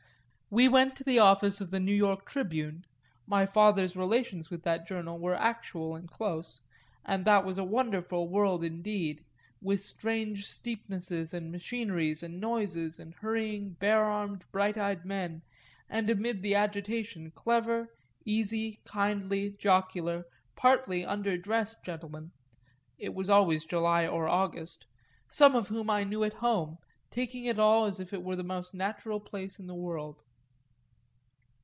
We went to the office of The New York Tribune my father's relations with that journal were actual and close; and that was a wonderful world indeed, with strange steepnesses and machineries and noises and hurrying bare armed, bright eyed men, and amid the agitation clever, easy, kindly, jocular, partly undressed gentlemen (it was always July or August) some of whom I knew at home, taking it all as if it were the most natural place in the world.